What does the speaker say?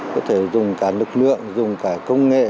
có thể dùng cả lực lượng dùng cả công nghệ